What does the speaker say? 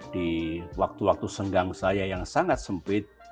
di waktu waktu senggang saya yang sangat sempit